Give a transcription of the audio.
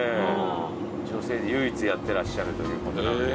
女性で唯一やってらっしゃるということなので。